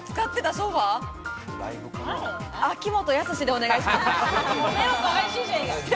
秋元康でお願いします。